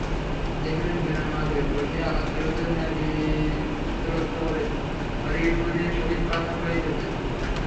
দেখিলেন, বিনয় মাদুরে বসিয়া আত্মীয়ের ন্যায় বিশ্রব্ধভাবে হরিমোহিনীর সহিত কথা কহিতেছে।